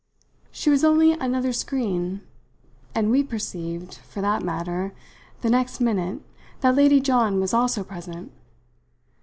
She was only another screen, and we perceived, for that matter, the next minute, that Lady John was also present.